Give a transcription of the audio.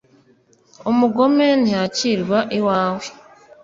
umugome ntiyakirwa iwawe